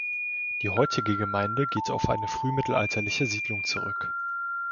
Die heutige Gemeinde geht auf eine frühmittelalterliche Siedlung zurück.